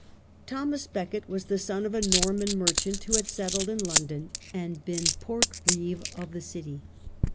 Thomas Becket was the son of a Norman merchant who had settled in London, and been port reeve of the city.